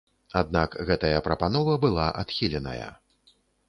Аднак гэтая прапанова была адхіленая.